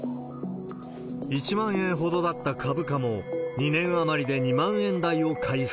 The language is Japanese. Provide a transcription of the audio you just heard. １万円ほどだった株価も、２年余りで２万円台を回復。